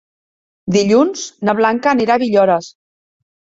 Dilluns na Blanca anirà a Villores.